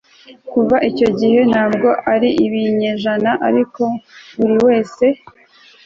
Kuva icyo gihe ntabwo ari ibinyejana ariko buri wese